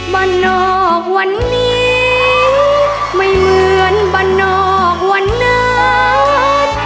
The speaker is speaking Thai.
บ้านนอกวันนี้ไม่เหมือนบ้านนอกวันนั้น